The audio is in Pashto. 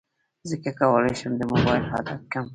څنګه کولی شم د موبایل عادت کم کړم